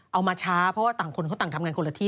เอามาช้าเพราะว่าต่ำการคนละที่